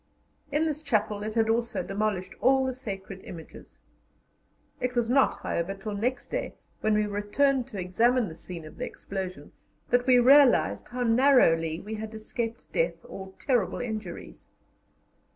In this chapel it had also demolished all the sacred images. It was not, however, till next day, when we returned to examine the scene of the explosion, that we realized how narrowly we had escaped death or terrible injuries.